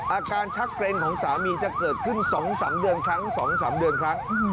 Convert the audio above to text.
อาการชักเกร็งของสามีจะเกิดขึ้น๒๓เดือนครั้ง